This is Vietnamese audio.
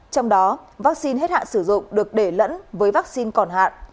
trong đó vaccine hết hạn sử dụng được để lẫn với vaccine còn hạn